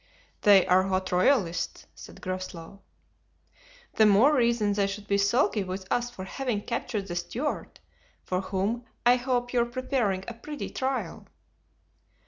"They are hot royalists," said Groslow. "The more reason they should be sulky with us for having captured the Stuart, for whom, I hope, you're preparing a pretty trial."